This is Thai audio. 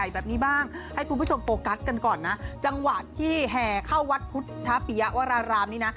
แบบนี้บ้างให้คุณผู้ชมโฟกัสกันก่อนนะจังหวะที่แห่เข้าวัดพุทธปิยะวรารามนี้นะ